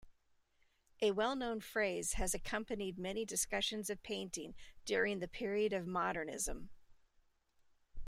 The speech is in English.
A well-known phrase has accompanied many discussions of painting during the period of modernism.